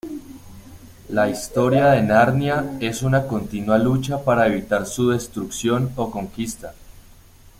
La historia de Narnia es una continua lucha para evitar su destrucción o conquista.